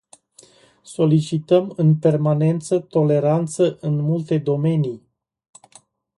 Solicităm în permanență toleranță în multe domenii.